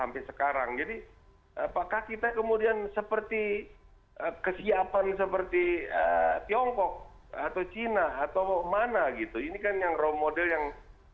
pihak yang kami undang